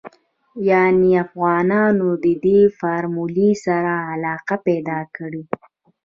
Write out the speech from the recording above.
يانې افغانانو ددې فارمولې سره علاقه پيدا کړې.